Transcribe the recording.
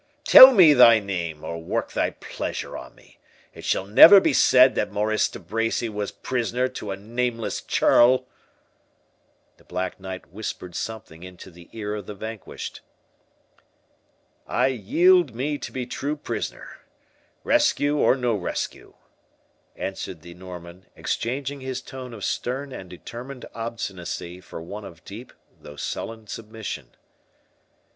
Tell me thy name, or work thy pleasure on me—it shall never be said that Maurice de Bracy was prisoner to a nameless churl." The Black Knight whispered something into the ear of the vanquished. "I yield me to be true prisoner, rescue or no rescue," answered the Norman, exchanging his tone of stern and determined obstinacy for one of deep though sullen submission.